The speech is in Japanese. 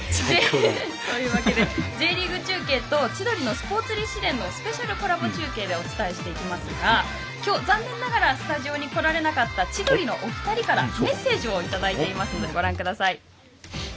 Ｊリーグ中継と「千鳥のスポーツ立志伝」のスペシャルコラボ中継でお伝えしていきますがきょう、残念ながらスタジオにこられなかった千鳥のお二人からメッセージをいただいています。